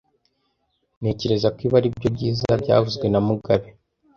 Ntekereza ko ibi ari byiza byavuzwe na mugabe